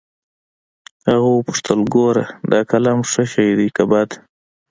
هغه وپوښتل ګوره دا قلم ښه شى ديه که بد.